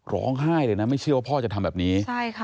ร้องไห้เลยนะไม่เชื่อว่าพ่อจะทำแบบนี้